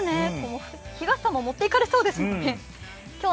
日傘も持っていかれそうですう。